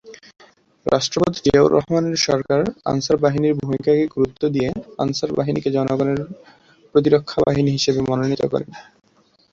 রাষ্ট্রপতি জিয়াউর রহমান এর সরকার আনসার বাহিনীর ভূমিকাকে গুরুত্ব দিয়ে আনসার বাহিনীকে "জনগণের প্রতিরক্ষা বাহিনী" হিসেবে মনোনীত করেন।।